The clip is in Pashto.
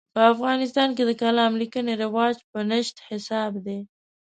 په افغانستان کې د کالم لیکنې رواج په نشت حساب دی.